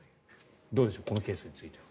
どうでしょうこのケースについては。